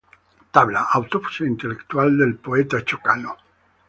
Tabla: Autopsia intelectual del poeta Chocano.